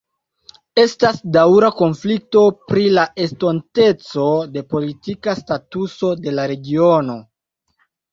Estas daŭra konflikto pri la estonteco de politika statuso de la regiono.